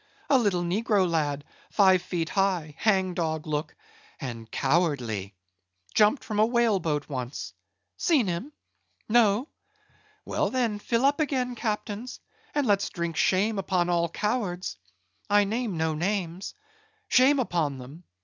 —a little negro lad, five feet high, hang dog look, and cowardly! Jumped from a whale boat once;—seen him? No! Well then, fill up again, captains, and let's drink shame upon all cowards! I name no names. Shame upon them!